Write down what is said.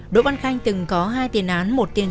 đỗ văn khanh từng có hai tiền án